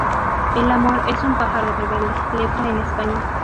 El amor es un pájaro rebelde, letra en español.